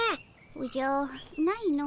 おじゃないの。